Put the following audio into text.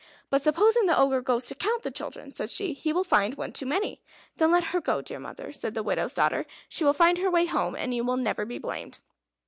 "But supposing the Ogre goes to count the children," said she; "he will find one too many." "Then let her go, dear mother," said the widow's daughter; "she will find her way home, and you will never be blamed."